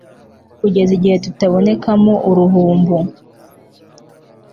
kugeza igihe tutabonekamo uruhumbu